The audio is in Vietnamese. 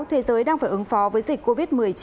thế giới đang phải ứng phó với dịch covid một mươi chín